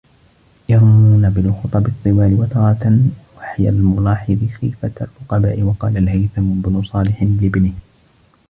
يَرْمُونَ بِالْخُطَبِ الطِّوَالِ وَتَارَةً وَحْيَ الْمَلَاحِظِ خِيفَةَ الرُّقَبَاءِ وَقَالَ الْهَيْثَمُ بْنُ صَالِحٍ لِابْنِهِ